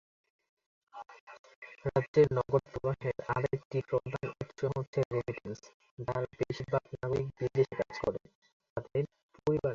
রাজ্যের নগদ প্রবাহের আরেকটি প্রধান উৎস হচ্ছে রেমিটেন্স, যার বেশিরভাগ নাগরিক বিদেশে কাজ করে, তাদের পরিবারে।